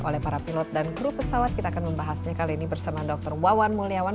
oleh para pilot dan kru pesawat kita akan membahasnya kali ini bersama dr wawan mulyawan